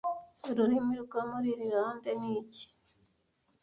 Ururimi rwo muri Irilande ni iki